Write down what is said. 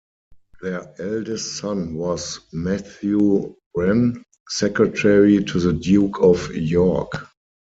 Their eldest son was Matthew Wren, secretary to the Duke of York.